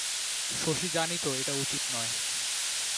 শশী জানিত এটা উচিত নয়।